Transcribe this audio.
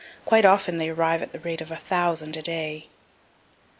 Quite often they arrive at the rate of 1000 a day.